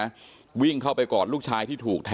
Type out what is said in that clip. เป็นมีดปลายแหลมยาวประมาณ๑ฟุตนะฮะที่ใช้ก่อเหตุ